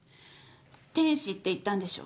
天使って言ったんでしょ？